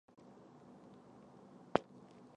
斯匹兹卑尔根岛。